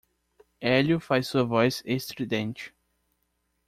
Hélio faz sua voz estridente.